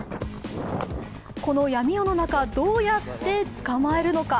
この闇夜の中、どうやって捕まえるのか。